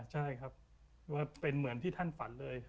ใช่ครับว่าเป็นเหมือนที่ท่านฝันเลย